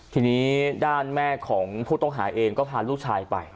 ทีนี้ด้านแม่ของผู้ต้องหาเองก็พาลูกชายไป